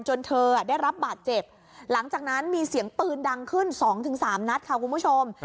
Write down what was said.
เธอได้รับบาดเจ็บหลังจากนั้นมีเสียงปืนดังขึ้น๒๓นัดค่ะคุณผู้ชม